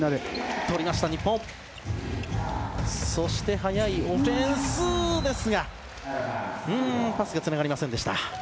速いオフェンスでしたがパスがつながりませんでした。